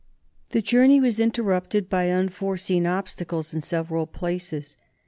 The journey was interrupted by unforeseen obstacles in several places.